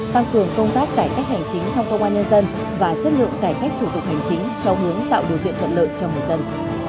tăng cường công tác cải cách hành chính trong công an nhân dân và chất lượng cải cách thủ tục hành chính theo hướng tạo điều kiện thuận lợi cho người dân